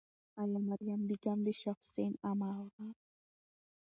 آیا مریم بیګم د شاه حسین عمه وه؟